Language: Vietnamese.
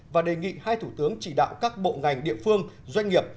và đề nghị hai thủ tướng chỉ đạo các bộ ngành địa phương doanh nghiệp